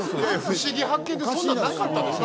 「ふしぎ発見！」でそんなんなかったでしょ